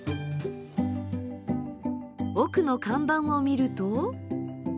奥の看板を見ると。